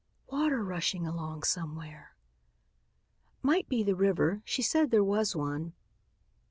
"Water rushing along somewhere." "Might be the river. She said there was one."